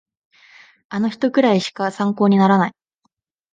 あの人くらいしか参考にならない